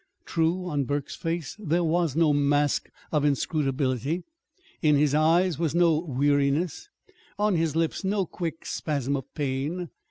True, on Burke's face there was no mask of inscrutability, in his eyes was no weariness, on his lips no quick spasm of pain.